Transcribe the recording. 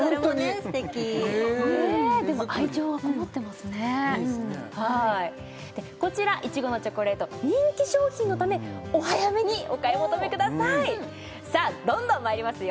すてきでも愛情がこもってますねこちらいちごのチョコレート人気商品のためお早めにお買い求めくださいさあどんどんまいりますよ